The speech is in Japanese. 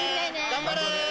頑張れ！